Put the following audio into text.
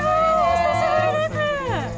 お久しぶりです。